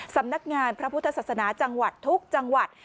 สำนักงานพระพุทธศาสนาจังหวัดทุกจังหวัด